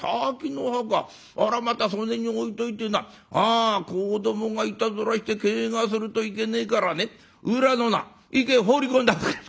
あらまたそでに置いといてな子どもがいたずらしてけがするといけねえからね裏のな池へ放り込んだ」。